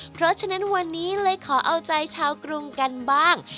เพราะฉะนั้นวันนี้เลยขอเอาใจชาวกรุงกันบ้าง